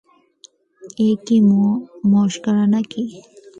এ কী মশকরা নাকি?